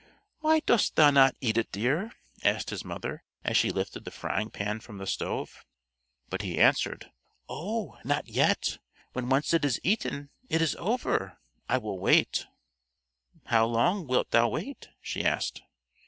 "Why dost thou not eat it, dear?" asked his mother, as she lifted the frying pan from the stove. But he answered: "Oh! not yet. When once it is eaten, it is over. I will wait." "How long wilt thou wait?" she asked.